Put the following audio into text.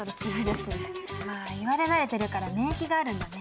まあ言われ慣れてるから免疫があるんだね。